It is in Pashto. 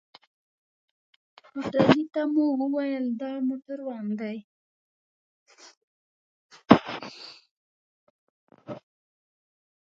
هوټلي ته مو وويل دا موټروان دی.